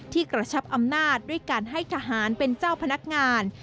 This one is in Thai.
กระชับอำนาจด้วยการให้ทหารเป็นเจ้าพนักงาน